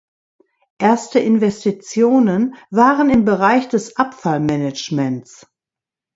Erste Investitionen waren im Bereich des Abfall-Managements.